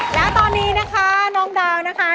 แล้วตอนนี้นะคะน้องดาวนะคะ